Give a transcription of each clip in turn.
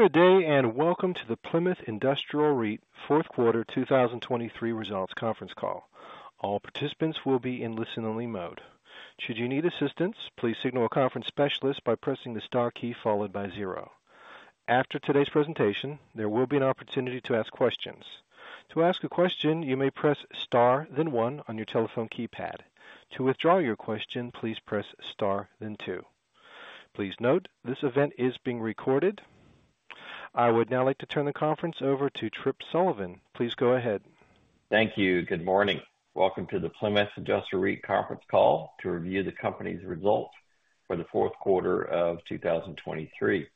Good day, and welcome to the Plymouth Industrial REIT Fourth Quarter 2023 Results Conference Call. All participants will be in listen-only mode. Should you need assistance, please signal a conference specialist by pressing the star key followed by zero. After today's presentation, there will be an opportunity to ask questions. To ask a question, you may press Star, then one on your telephone keypad. To withdraw your question, please press Star, then two. Please note, this event is being recorded. I would now like to turn the conference over to Tripp Sullivan. Please go ahead. Thank you. Good morning. Welcome to the Plymouth Industrial REIT Conference Call to review the company's results for the fourth quarter of 2023.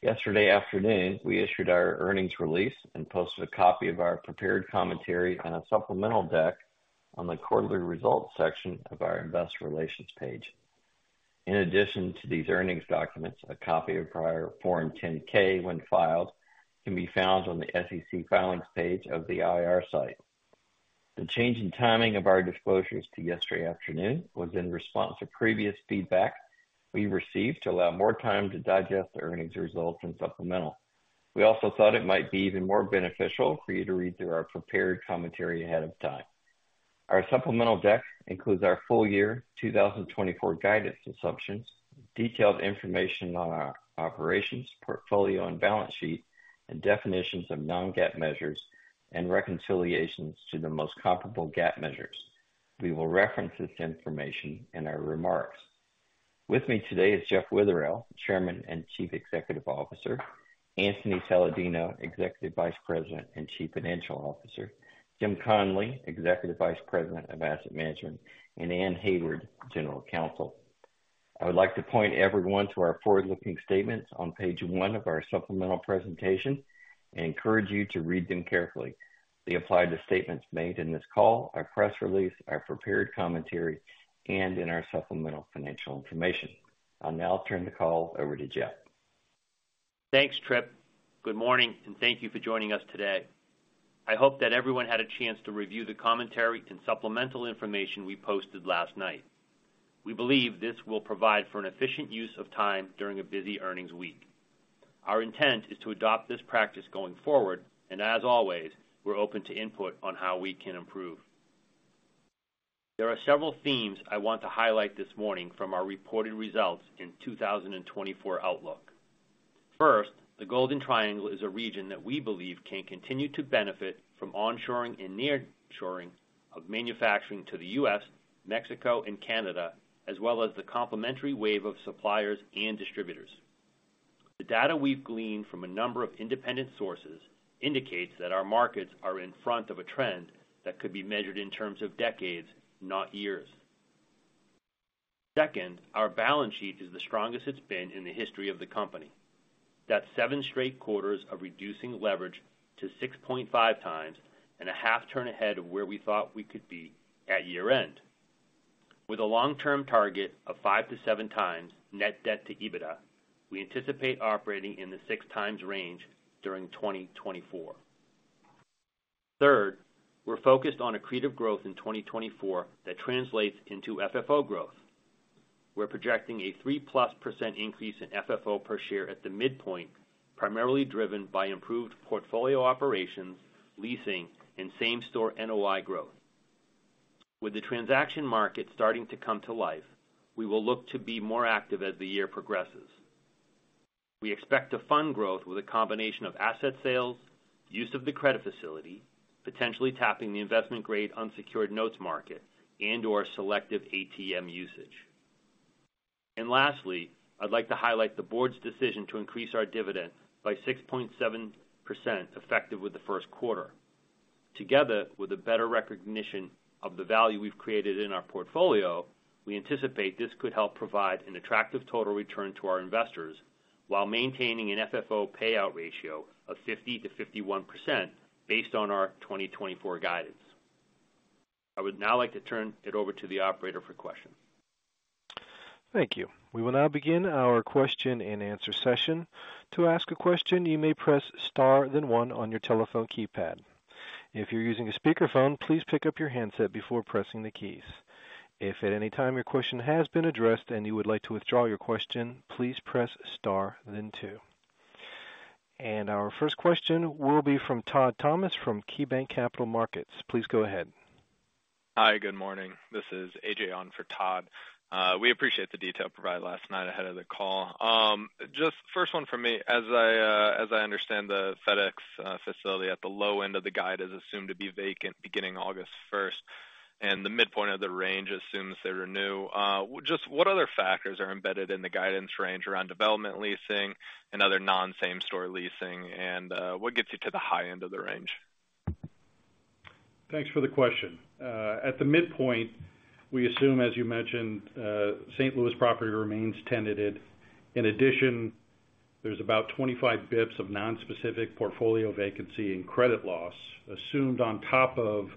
Yesterday afternoon, we issued our earnings release and posted a copy of our prepared commentary on a supplemental deck on the Quarterly Results section of our Investor Relations page. In addition to these earnings documents, a copy of prior Form 10-K, when filed, can be found on the SEC Filings page of the IR site. The change in timing of our disclosures to yesterday afternoon was in response to previous feedback we received to allow more time to digest the earnings results and supplemental. We also thought it might be even more beneficial for you to read through our prepared commentary ahead of time. Our supplemental deck includes our full year 2024 guidance assumptions, detailed information on our operations, portfolio, and balance sheet, and definitions of non-GAAP measures and reconciliations to the most comparable GAAP measures. We will reference this information in our remarks. With me today is Jeff Witherell, Chairman and Chief Executive Officer, Anthony Saladino, Executive Vice President and Chief Financial Officer, Jim Connolly, Executive Vice President of Asset Management, and Anne Hayward, General Counsel. I would like to point everyone to our forward-looking statements on page one of our supplemental presentation and encourage you to read them carefully. They apply to statements made in this call, our press release, our prepared commentary, and in our supplemental financial information. I'll now turn the call over to Jeff. Thanks, Trip. Good morning, and thank you for joining us today. I hope that everyone had a chance to review the commentary and supplemental information we posted last night. We believe this will provide for an efficient use of time during a busy earnings week. Our intent is to adopt this practice going forward, and as always, we're open to input on how we can improve. There are several themes I want to highlight this morning from our reported results in 2024 outlook. First, the Golden Triangle is a region that we believe can continue to benefit from onshoring and nearshoring of manufacturing to the U.S., Mexico, and Canada, as well as the complementary wave of suppliers and distributors. The data we've gleaned from a number of independent sources indicates that our markets are in front of a trend that could be measured in terms of decades, not years. Second, our balance sheet is the strongest it's been in the history of the company. That's 7 straight quarters of reducing leverage to 6.5 times and a half turn ahead of where we thought we could be at year-end. With a long-term target of 5-7 times net debt to EBITDA, we anticipate operating in the 6 times range during 2024. Third, we're focused on accretive growth in 2024 that translates into FFO growth. We're projecting a 3%+ increase in FFO per share at the midpoint, primarily driven by improved portfolio operations, leasing, and same-store NOI growth. With the transaction market starting to come to life, we will look to be more active as the year progresses. We expect to fund growth with a combination of asset sales, use of the credit facility, potentially tapping the investment-grade unsecured notes market, and/or selective ATM usage. And lastly, I'd like to highlight the board's decision to increase our dividend by 6.7%, effective with the first quarter. Together, with a better recognition of the value we've created in our portfolio, we anticipate this could help provide an attractive total return to our investors while maintaining an FFO payout ratio of 50%-51% based on our 2024 guidance. I would now like to turn it over to the operator for questions. Thank you. We will now begin our question-and-answer session. To ask a question, you may press Star, then one on your telephone keypad. If you're using a speakerphone, please pick up your handset before pressing the keys. If at any time your question has been addressed and you would like to withdraw your question, please press Star then two. Our first question will be from Todd Thomas from KeyBanc Capital Markets. Please go ahead. Hi, good morning. This is AJ on for Todd. We appreciate the detail provided last night ahead of the call. Just first one for me. As I understand, the FedEx facility at the low end of the guide is assumed to be vacant beginning August first, and the midpoint of the range assumes they renew. Just what other factors are embedded in the guidance range around development leasing and other non-same store leasing? And, what gets you to the high end of the range? Thanks for the question. At the midpoint, we assume, as you mentioned, St. Louis property remains tenanted. In addition, there's about 25 bps of nonspecific portfolio vacancy and credit loss assumed on top of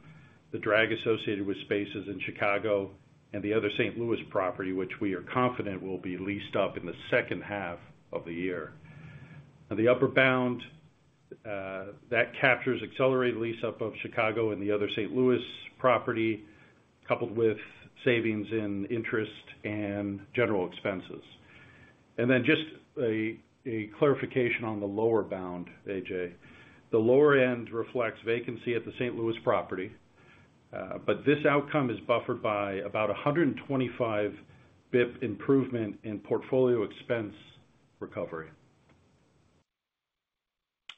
the drag associated with spaces in Chicago and the other St. Louis property, which we are confident will be leased up in the second half of the year. On the upper bound-... that captures accelerated lease up of Chicago and the other St. Louis property, coupled with savings in interest and general expenses. And then just a clarification on the lower bound, AJ. The lower end reflects vacancy at the St. Louis property, but this outcome is buffered by about 125 bps improvement in portfolio expense recovery.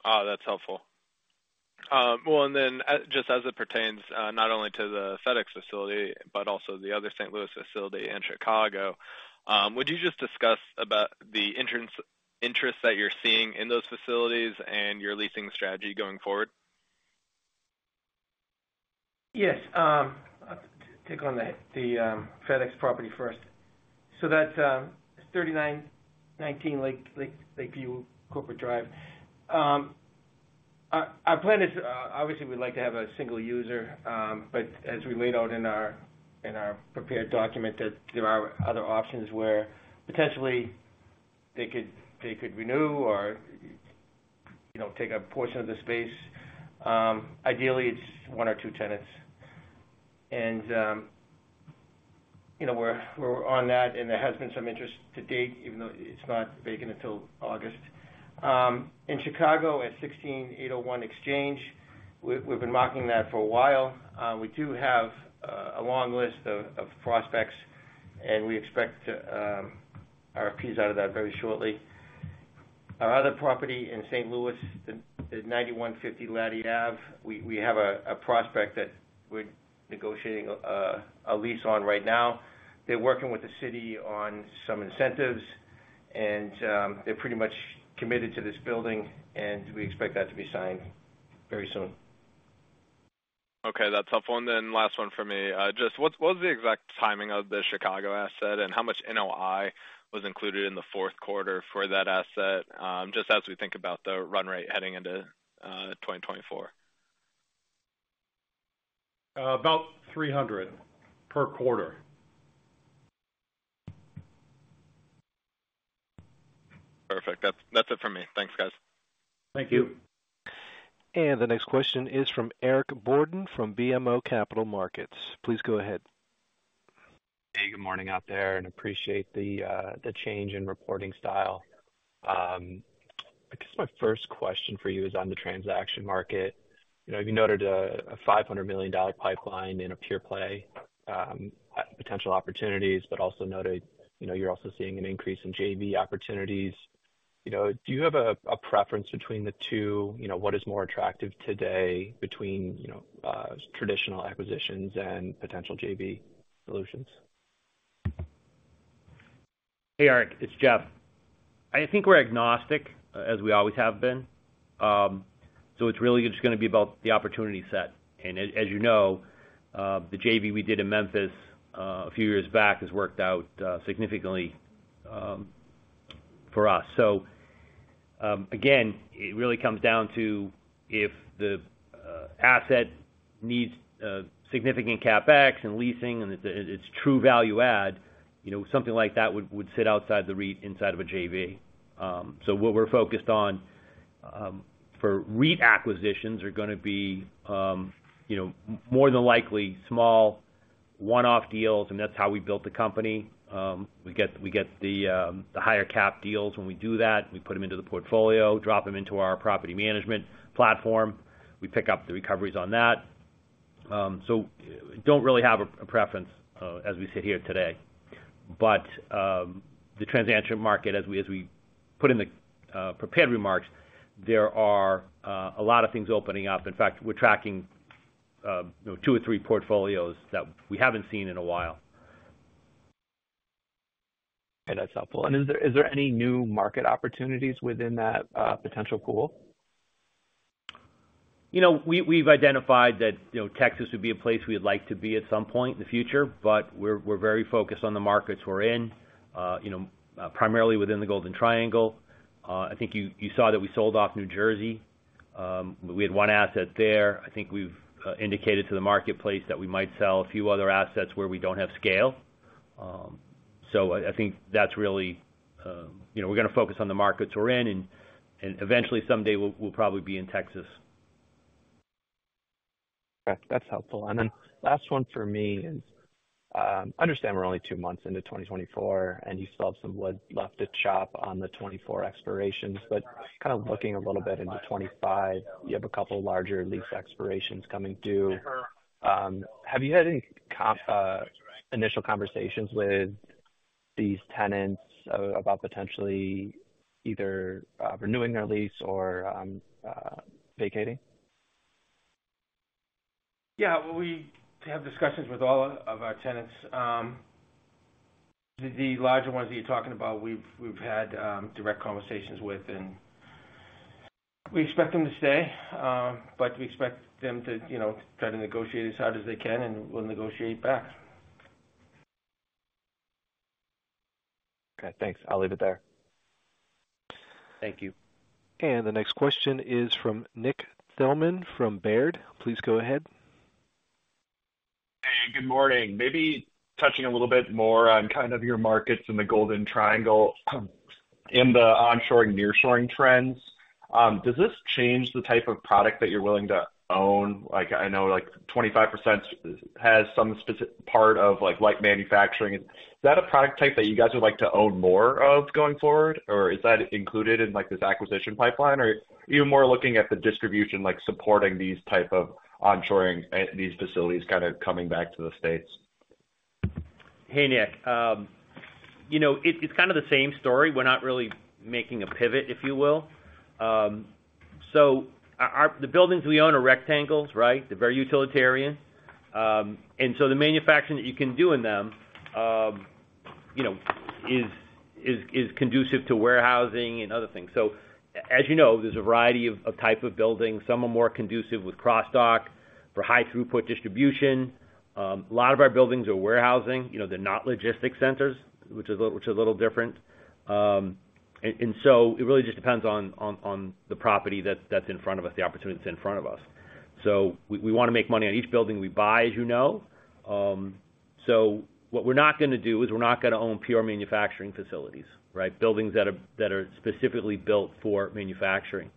That's helpful. Well, and then, just as it pertains, not only to the FedEx facility, but also the other St. Louis facility in Chicago, would you just discuss about the interest, interest that you're seeing in those facilities and your leasing strategy going forward? Yes, I'll take on the FedEx property first. So that's 3919 Lakeview Corporate Drive. Our plan is, obviously, we'd like to have a single user, but as we laid out in our prepared document, that there are other options where potentially they could renew or, you know, take a portion of the space. Ideally, it's one or two tenants. And, you know, we're on that, and there has been some interest to date, even though it's not vacant until August. In Chicago, at 16801 Exchange, we've been marketing that for a while. We do have a long list of prospects, and we expect to RFP out of that very shortly. Our other property in St. Louis, the 9150 Latty Avenue. We have a prospect that we're negotiating a lease on right now. They're working with the city on some incentives, and they're pretty much committed to this building, and we expect that to be signed very soon. Okay, that's helpful. And then last one for me. Just what's the exact timing of the Chicago asset, and how much NOI was included in the fourth quarter for that asset? Just as we think about the run rate heading into 2024. About 300 per quarter. Perfect. That's, that's it for me. Thanks, guys. Thank you. The next question is from Eric Borden, from BMO Capital Markets. Please go ahead. Hey, good morning out there, and appreciate the change in reporting style. I guess my first question for you is on the transaction market. You know, you noted a $500 million pipeline in a pure play potential opportunities, but also noted, you know, you're also seeing an increase in JV opportunities. You know, do you have a preference between the two? You know, what is more attractive today between, you know, traditional acquisitions and potential JV solutions? Hey, Eric, it's Jeff. I think we're agnostic, as we always have been. So it's really just gonna be about the opportunity set. And as you know, the JV we did in Memphis, a few years back, has worked out, significantly, for us. So, again, it really comes down to if the asset needs significant CapEx and leasing, and it's true value add, you know, something like that would sit outside the REIT inside of a JV. So what we're focused on for REIT acquisitions are gonna be, you know, more than likely small one-off deals, and that's how we built the company. We get the higher cap deals when we do that. We put them into the portfolio, drop them into our property management platform. We pick up the recoveries on that. So don't really have a preference as we sit here today. But the transaction market, as we put in the prepared remarks, there are a lot of things opening up. In fact, we're tracking two or three portfolios that we haven't seen in a while. That's helpful. Is there, is there any new market opportunities within that potential pool? You know, we've identified that, you know, Texas would be a place we'd like to be at some point in the future, but we're very focused on the markets we're in, you know, primarily within the Golden Triangle. I think you saw that we sold off New Jersey. We had one asset there. I think we've indicated to the marketplace that we might sell a few other assets where we don't have scale. So I think that's really... You know, we're gonna focus on the markets we're in, and eventually, someday, we'll probably be in Texas. Okay, that's helpful. Then last one for me is, I understand we're only two months into 2024, and you still have some wood left to chop on the 2024 expirations, but kind of looking a little bit into 2025, you have a couple larger lease expirations coming due. Have you had any initial conversations with these tenants about potentially either renewing their lease or vacating? Yeah, we have discussions with all of our tenants. The larger ones that you're talking about, we've had direct conversations with, and we expect them to stay, but we expect them to, you know, try to negotiate as hard as they can, and we'll negotiate back. Okay, thanks. I'll leave it there. Thank you. The next question is from Nick Thillman, from Baird. Please go ahead.... Good morning. Maybe touching a little bit more on kind of your markets in the Golden Triangle, in the onshoring, nearshoring trends. Does this change the type of product that you're willing to own? Like, I know, like, 25% has some spec part of, like, light manufacturing. Is that a product type that you guys would like to own more of going forward? Or is that included in, like, this acquisition pipeline? Or even more looking at the distribution, like supporting these type of onshoring, these facilities kind of coming back to the States. Hey, Nick. You know, it's kind of the same story. We're not really making a pivot, if you will. So the buildings we own are rectangles, right? They're very utilitarian. And so the manufacturing that you can do in them, you know, is conducive to warehousing and other things. So as you know, there's a variety of type of buildings. Some are more conducive with cross-dock, for high-throughput distribution. A lot of our buildings are warehousing, you know, they're not logistics centers, which is a little different. And so it really just depends on the property that's in front of us, the opportunity that's in front of us. So we wanna make money on each building we buy, as you know. So what we're not gonna do is we're not gonna own pure manufacturing facilities, right? Buildings that are, that are specifically built for manufacturing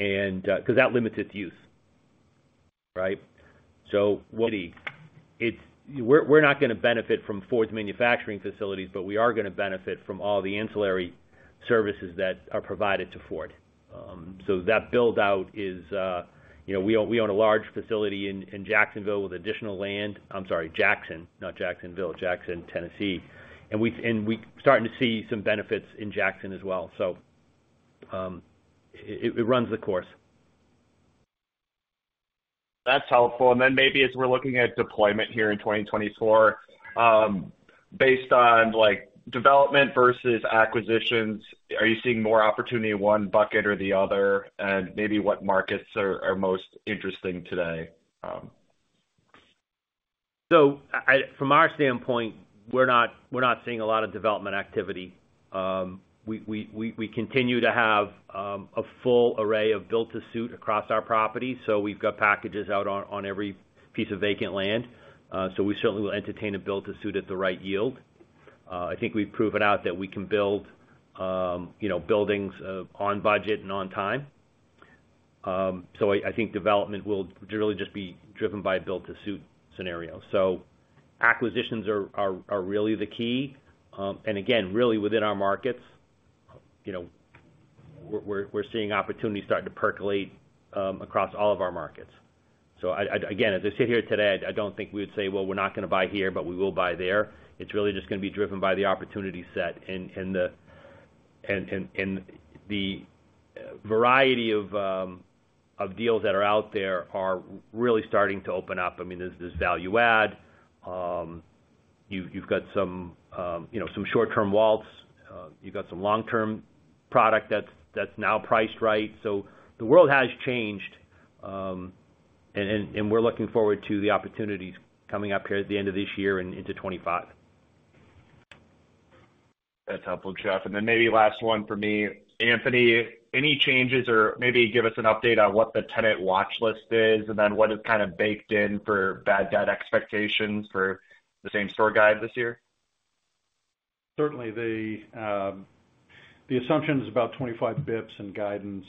and 'cause that limits its use, right? So we're not gonna benefit from Ford's manufacturing facilities, but we are gonna benefit from all the ancillary services that are provided to Ford. So that build out is, you know, we own a large facility in Jacksonville, with additional land. I'm sorry, Jackson, not Jacksonville, Jackson, Tennessee. And we're starting to see some benefits in Jackson as well. So it runs the course. That's helpful. Then maybe as we're looking at deployment here in 2024, based on, like, development versus acquisitions, are you seeing more opportunity in one bucket or the other? Maybe what markets are most interesting today? So from our standpoint, we're not seeing a lot of development activity. We continue to have a full array of build-to-suit across our properties, so we've got packages out on every piece of vacant land. So we certainly will entertain a build-to-suit at the right yield. I think we've proven out that we can build, you know, buildings on budget and on time. So I think development will really just be driven by a build-to-suit scenario. So acquisitions are really the key. And again, really within our markets, you know, we're seeing opportunities starting to percolate across all of our markets. So again, as I sit here today, I don't think we would say, "Well, we're not gonna buy here, but we will buy there." It's really just gonna be driven by the opportunity set and the variety of deals that are out there are really starting to open up. I mean, there's this value add. You've got some, you know, some short-term WALT. You've got some long-term product that's now priced right. So the world has changed, and we're looking forward to the opportunities coming up here at the end of this year and into 25. That's helpful, Jeff. And then maybe last one for me. Anthony, any changes or maybe give us an update on what the tenant watch list is, and then what is kind of baked in for bad debt expectations for the same-store guide this year? Certainly, the assumption is about 25 bps in guidance.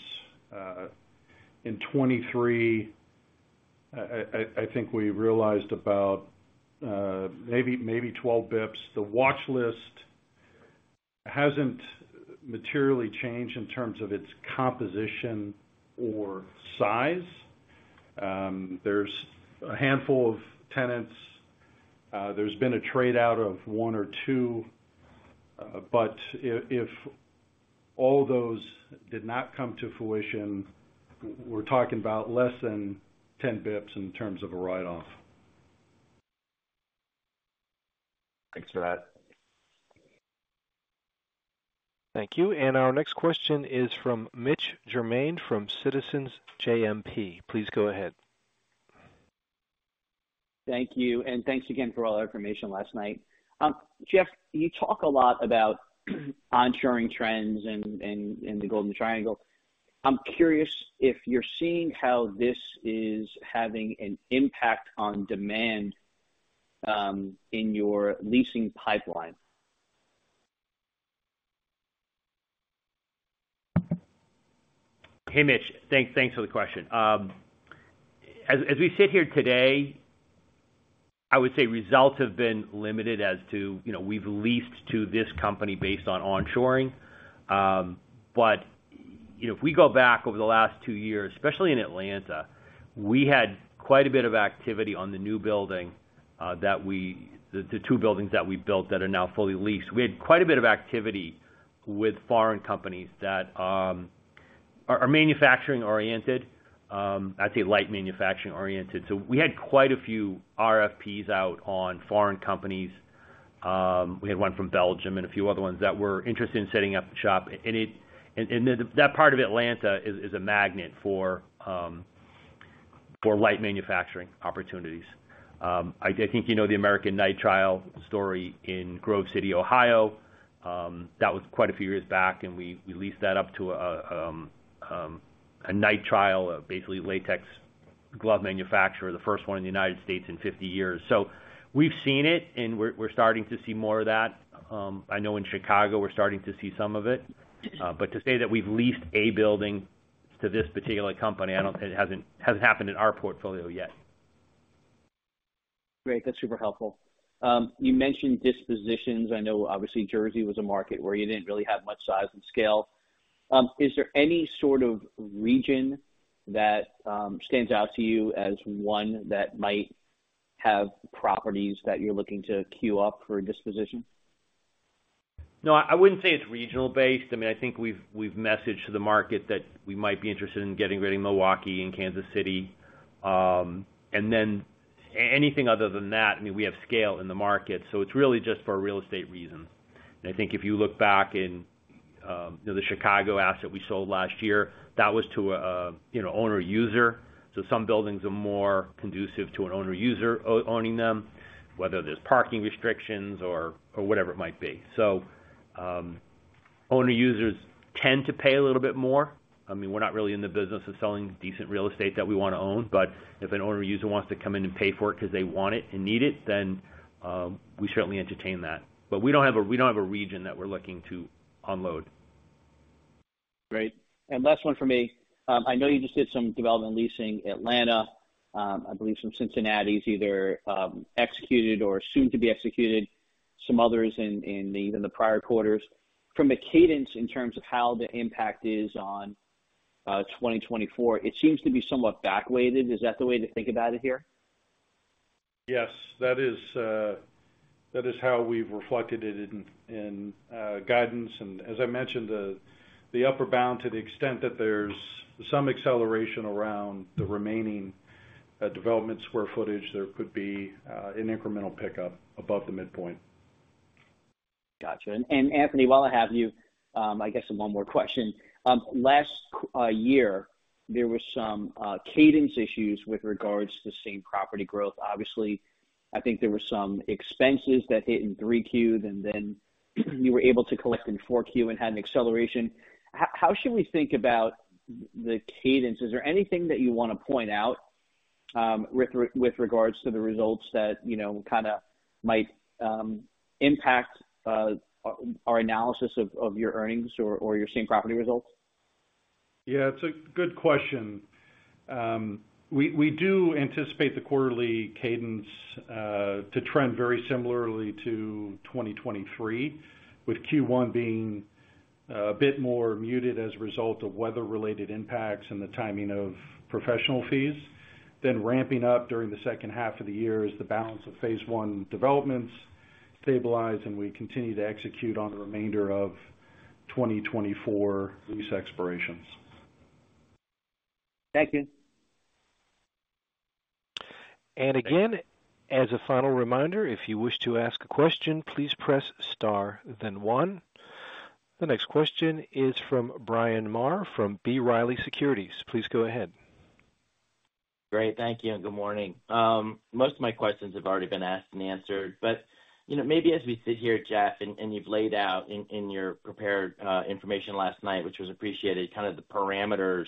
In 2023, I think we realized about maybe 12 bps. The watch list hasn't materially changed in terms of its composition or size. There's a handful of tenants. There's been a trade-out of one or two. But if all those did not come to fruition, we're talking about less than 10 bps in terms of a write-off. Thanks for that. Thank you. Our next question is from Mitch Germain from Citizens JMP. Please go ahead. Thank you, and thanks again for all the information last night. Jeff, you talk a lot about onshoring trends and the Golden Triangle. I'm curious if you're seeing how this is having an impact on demand in your leasing pipeline. Hey, Mitch, thanks for the question. As we sit here today, I would say results have been limited as to, you know, we've leased to this company based on onshoring. But, you know, if we go back over the last two years, especially in Atlanta, we had quite a bit of activity on the new building that we... The two buildings that we built that are now fully leased. We had quite a bit of activity with foreign companies that are manufacturing oriented, I'd say light manufacturing oriented. So we had quite a few RFPs out on foreign companies. We had one from Belgium and a few other ones that were interested in setting up shop. And that part of Atlanta is a magnet for light manufacturing opportunities. I think you know the American Nitrile story in Grove City, Ohio. That was quite a few years back, and we leased that up to a nitrile basically latex glove manufacturer, the first one in the United States in 50 years. So we've seen it, and we're starting to see more of that. I know in Chicago, we're starting to see some of it. But to say that we've leased a building to this particular company, I don't-- it hasn't happened in our portfolio yet. Great. That's super helpful. You mentioned dispositions. I know obviously, Jersey was a market where you didn't really have much size and scale. Is there any sort of region that stands out to you as one that might have properties that you're looking to queue up for a disposition? No, I wouldn't say it's regional-based. I mean, I think we've messaged to the market that we might be interested in getting rid of Milwaukee and Kansas City. And then anything other than that, I mean, we have scale in the market, so it's really just for real estate reasons. And I think if you look back in, you know, the Chicago asset we sold last year, that was to a, you know, owner-user. So some buildings are more conducive to an owner-user owning them, whether there's parking restrictions or, or whatever it might be. So, owner-users tend to pay a little bit more. I mean, we're not really in the business of selling decent real estate that we wanna own, but if an owner-user wants to come in and pay for it 'cause they want it and need it, then, we certainly entertain that. But we don't have a, we don't have a region that we're looking to unload. Great. And last one for me. I know you just did some development leasing, Atlanta, I believe some Cincinnati's, either executed or soon to be executed, some others in the prior quarters. From a cadence in terms of how the impact is on 2024, it seems to be somewhat backweighted. Is that the way to think about it here? Yes, that is how we've reflected it in guidance. And as I mentioned, the upper bound, to the extent that there's some acceleration around the remaining development square footage, there could be an incremental pickup above the midpoint. Got you. And Anthony, while I have you, I guess one more question. Last year, there was some cadence issues with regards to same property growth. Obviously, I think there were some expenses that hit in 3Q, and then you were able to collect in 4Q and had an acceleration. How should we think about the cadence? Is there anything that you wanna point out with regards to the results that, you know, kinda might impact our analysis of your earnings or your same property results? Yeah, it's a good question. We do anticipate the quarterly cadence to trend very similarly to 2023, with Q1 being a bit more muted as a result of weather-related impacts and the timing of professional fees, then ramping up during the second half of the year as the balance of Phase One developments stabilize, and we continue to execute on the remainder of 2024 lease expirations. Thank you. Again, as a final reminder, if you wish to ask a question, please press star, then 1. The next question is from Bryan Maher from B. Riley Securities. Please go ahead. Great. Thank you, and good morning. Most of my questions have already been asked and answered, but, you know, maybe as we sit here, Jeff, and you've laid out in your prepared information last night, which was appreciated, kind of the parameters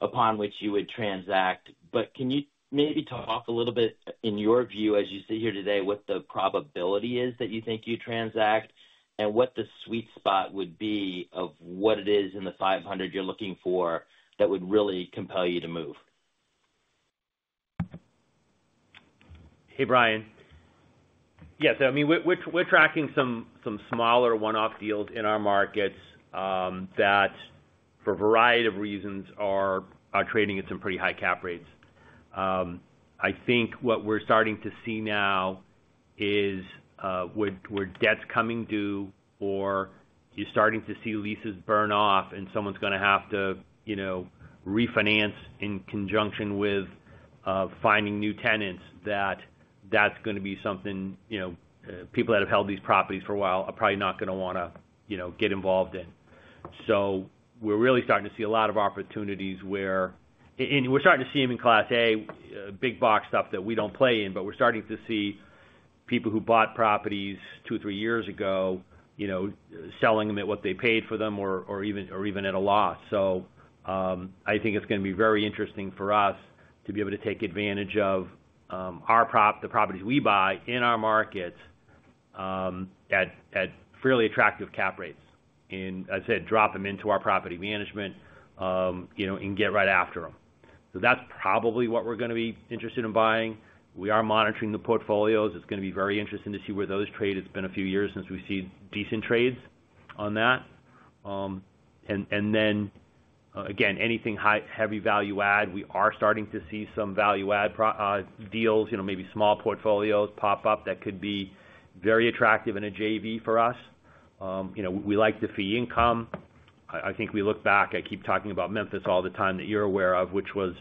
upon which you would transact. But can you maybe talk a little bit, in your view, as you sit here today, what the probability is that you think you'd transact? And what the sweet spot would be of what it is in the 500 you're looking for, that would really compel you to move? Hey, Brian. Yes, I mean, we're tracking some smaller one-off deals in our markets that for a variety of reasons are trading at some pretty high cap rates. I think what we're starting to see now is where debt's coming due, or you're starting to see leases burn off, and someone's gonna have to, you know, refinance in conjunction with finding new tenants, that's gonna be something, you know, people that have held these properties for a while are probably not gonna wanna, you know, get involved in. So we're really starting to see a lot of opportunities where... And we're starting to see them in Class A big box stuff that we don't play in, but we're starting to see people who bought properties two, three years ago, you know, selling them at what they paid for them or even at a loss. So I think it's gonna be very interesting for us to be able to take advantage of our properties we buy in our markets at fairly attractive cap rates. And I said, drop them into our property management, you know, and get right after them. So that's probably what we're gonna be interested in buying. We are monitoring the portfolios. It's gonna be very interesting to see where those trade. It's been a few years since we've seen decent trades on that. And then, again, anything heavy value add, we are starting to see some value add deals, you know, maybe small portfolios pop up that could be very attractive in a JV for us. You know, we like the fee income. I think we look back, I keep talking about Memphis all the time, that you're aware of, which was,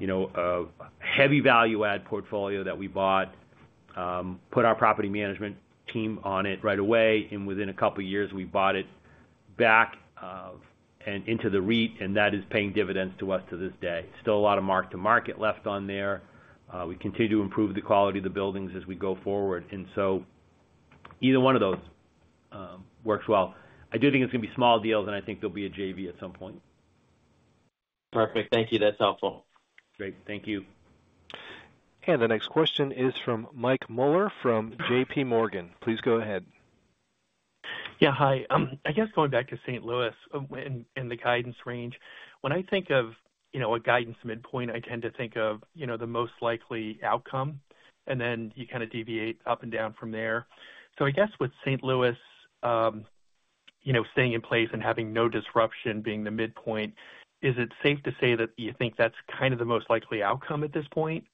you know, a heavy value add portfolio that we bought, put our property management team on it right away, and within a couple of years, we bought it back, and into the REIT, and that is paying dividends to us to this day. Still a lot of mark to market left on there. We continue to improve the quality of the buildings as we go forward. So either one of those works well. I do think it's gonna be small deals, and I think there'll be a JV at some point. Perfect. Thank you. That's helpful. Great. Thank you. The next question is from Mike Mueller from JPMorgan. Please go ahead. Yeah, hi. I guess going back to St. Louis and the guidance range. When I think of, you know, a guidance midpoint, I tend to think of, you know, the most likely outcome, and then you kind of deviate up and down from there. So I guess with St. Louis, you know, staying in place and having no disruption being the midpoint, is it safe to say that you think that's kind of the most likely outcome at this point?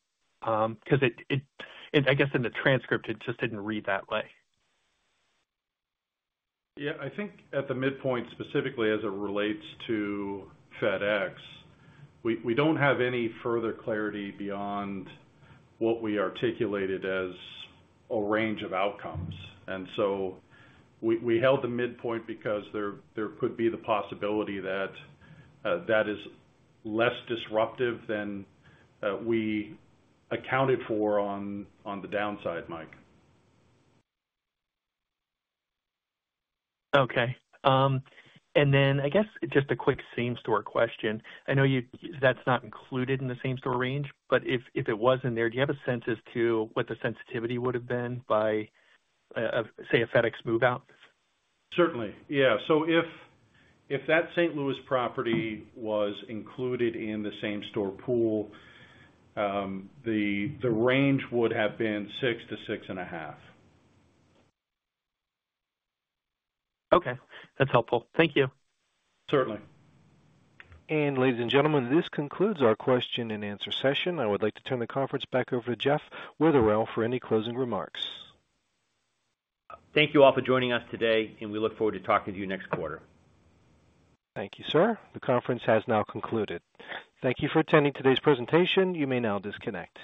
'Cause it, I guess in the transcript, it just didn't read that way. Yeah, I think at the midpoint, specifically as it relates to FedEx, we don't have any further clarity beyond what we articulated as a range of outcomes. And so we held the midpoint because there could be the possibility that that is less disruptive than we accounted for on the downside, Mike. Okay. And then I guess just a quick same-store question. I know you, that's not included in the same-store range, but if it was in there, do you have a sense as to what the sensitivity would have been by, say, a FedEx move-out? Certainly. Yeah. So if that St. Louis property was included in the same-store pool, the range would have been 6-6.5. Okay, that's helpful. Thank you. Certainly. Ladies and gentlemen, this concludes our question-and-answer session. I would like to turn the conference back over to Jeff Witherell for any closing remarks. Thank you all for joining us today, and we look forward to talking to you next quarter. Thank you, sir. The conference has now concluded. Thank you for attending today's presentation. You may now disconnect.